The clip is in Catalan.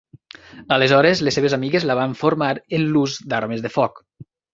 Aleshores, les seves amigues la van formar en l'ús d'armes de foc.